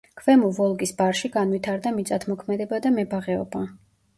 ქვემო ვოლგის ბარში განვითარდა მიწათმოქმედება და მებაღეობა.